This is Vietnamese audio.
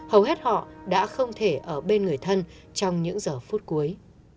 hầu hết họ đã không thể ở bên người thân trong những giờ phút cuối